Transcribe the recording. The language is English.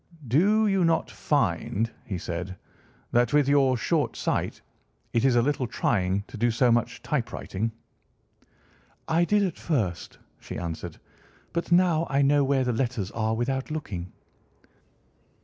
"Do you not find," he said, "that with your short sight it is a little trying to do so much typewriting?" "I did at first," she answered, "but now I know where the letters are without looking."